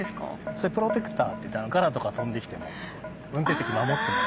それプロテクターっていってガラとか飛んできても運転席守ってもらえる。